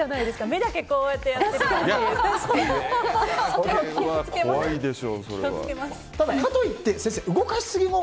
目だけ、こうやってやってても。